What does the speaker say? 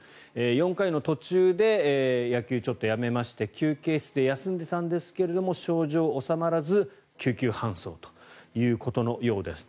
４回の途中で野球をちょっとやめまして休憩室で休んでいたんですが症状が治まらず救急搬送ということのようです。